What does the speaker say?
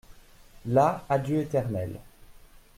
Là adieu éternel.